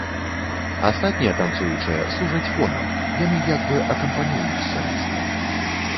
Астатнія танцуючыя служаць фонам, яны як бы акампануюць салістам.